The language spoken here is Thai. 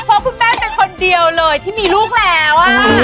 เพราะคุณแม่เป็นคนเดียวเลยที่มีลูกแล้ว